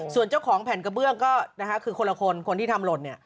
ส่วนเจ้าของแผ่นกระเบื้องก็คือคนละคนคนที่ทำหล่นเนี่ย